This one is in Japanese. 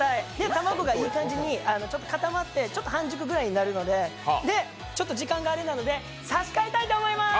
卵がいい感じに固まって、ちょっと半熟くらいになるので、ちょっと時間があれなので差し替えたいと思います。